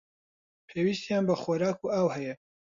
پێویستیان بە خۆراک و ئاو هەیە.